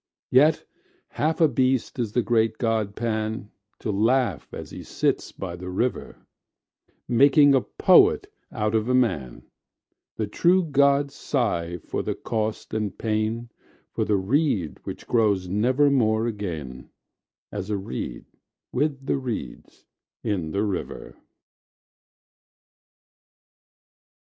Yet half a beast is the great god Pan, To laugh as he sits by the river, Making a poet out of a man:The true gods sigh for the cost and pain,—For the reed which grows nevermore againAs a reed with the reeds in the river.